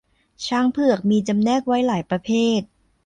ช้างเผือกมีจำแนกไว้หลายประเภท